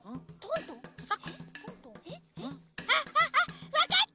あっあっわかった！